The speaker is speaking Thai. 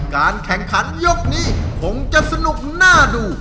การแข่งขันยกนี้คงจะสนุกน่าดู